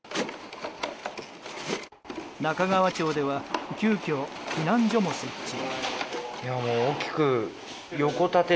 中川町では急きょ、避難所も設置。